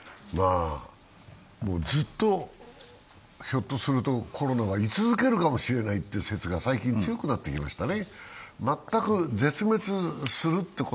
ずっと、ひょっとするとコロナがい続けるかもしれないという説が最近、強くなってきましたね。